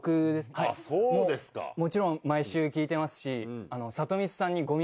もちろん毎週聴いてますし。